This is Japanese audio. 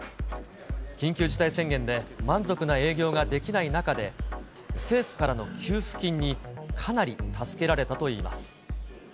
緊急事態宣言で満足な営業ができない中で、政府からの給付金にかなり助けられたといいます。